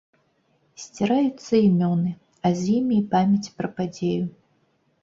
Сціраюцца імёны, а з імі і памяць пра падзею.